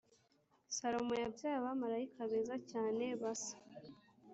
Salomo yabyaye abamarayika beza cyane basa